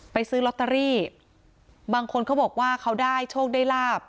ซื้อลอตเตอรี่บางคนเขาบอกว่าเขาได้โชคได้ลาบ